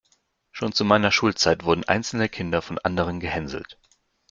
Schon zu meiner Schulzeit wurden einzelne Kinder von anderen gehänselt.